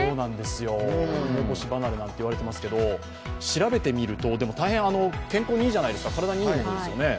梅干し離れと言われてますけど調べてみると大変健康にいいじゃないですか、体にいいものですよね。